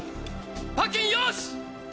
パッキンよし。